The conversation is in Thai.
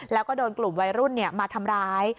แล้วก็โดนกลุ่มวัยรุ่นมาทำร้าย